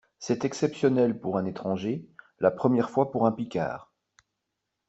C’est exceptionnel pour un étranger, la première fois pour un Picard.